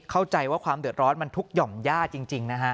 เข้าใจว่าความเดือดร้อนมันทุกหย่อมย่าจริงนะฮะ